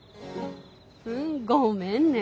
うんごめんね。